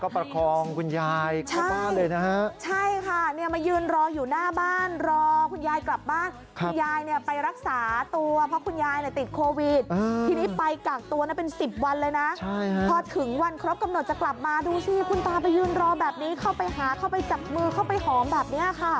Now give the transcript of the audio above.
พักเพลงกันตลอดไปช่วงนี้นิรันดิ์